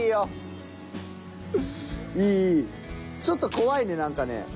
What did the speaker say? ちょっと怖いねなんかね。